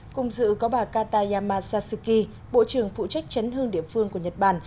cùng dự có bà katayama sasuki bộ trưởng phụ trách chấn hương địa phương của nhật bản